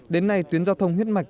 đến nay tuyến giao thông huyết mạch